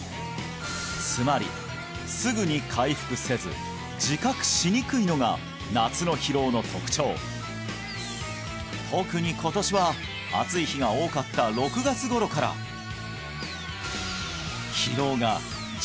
つまりすぐに回復せず自覚しにくいのが夏の疲労の特徴特に今年は暑い日が多かった６月頃から疲労がじわじわと身体をむしばみ